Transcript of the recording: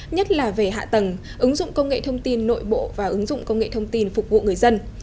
nhất là về hạ tầng ứng dụng công nghệ thông tin nội bộ và ứng dụng công nghệ thông tin phục vụ người dân